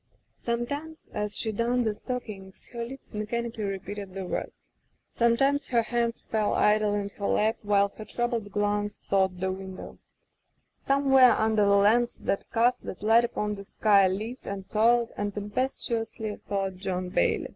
^* Sometimes as she darned the stockings her lips mechanically repeated the words; sometimes her hands fell idle in her lap while her troubled glance sought the window^ ii^ Somewhere under the lamps that cast that light upon the sky lived and toiled and tem pestuously thought John Bailey.